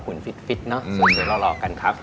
ขุนฟิตเสร็จรอเรากันครับอืมนะครับ